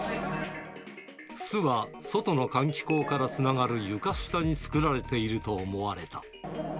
巣は外の換気口からつながる床下に作られていると思われた。